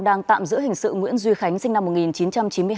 đang tạm giữ hình sự nguyễn duy khánh sinh năm một nghìn chín trăm chín mươi hai